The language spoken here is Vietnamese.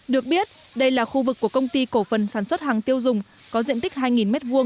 được biết đây là khu vực của công ty cổ phần sản xuất hàng tiêu dùng có diện tích hai m hai